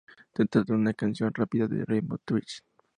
Se trata de una canción rápida en ritmo de twist.